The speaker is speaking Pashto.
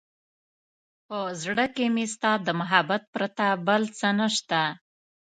په زړه کې مې ستا د محبت پرته بل څه نشته.